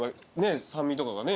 酸味とかがね。